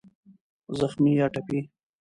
زخمي √ ټپي